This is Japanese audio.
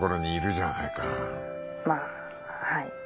☎まあはい。